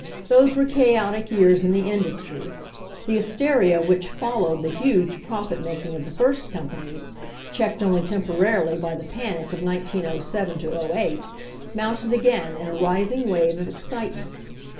Those were chaotic years in the industry. The hysteria which followed the huge profit making of the first companies, checked only temporarily by the panic of 1907 8, mounted again in a rising wave of excitement.